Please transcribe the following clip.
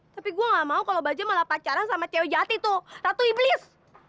tapi gue gak mau kalau baja malah pacaran sama cewek jati tuh ratu iblis